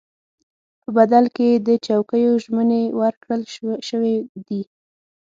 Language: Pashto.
په بدل کې یې د چوکیو ژمنې ورکړل شوې دي.